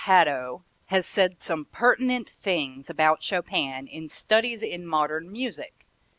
Hadow has said some pertinent things about Chopin in "Studies in Modern Music."